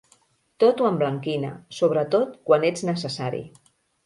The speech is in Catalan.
Tot ho emblanquina, sobretot quan ets necessari.